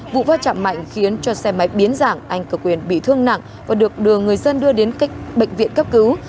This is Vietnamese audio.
vụ va chạm mạnh khiến cho xe máy biến dạng anh cực quyền bị thương nặng và được đưa người dân đưa đến bệnh viện cấp cứu